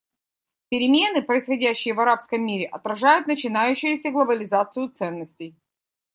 Перемены, происходящие в арабском мире, отражают начинающуюся глобализацию ценностей.